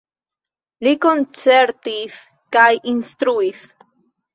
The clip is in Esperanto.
Li koncertis kaj instruis.